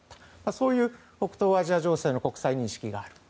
そういう北東アジア情勢の国際認識がある。